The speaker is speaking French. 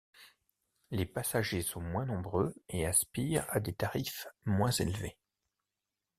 Les passagers sont moins nombreux et aspirent à des tarifs moins élevés.